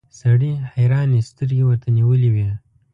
سړي حيرانې سترګې ورته نيولې وې.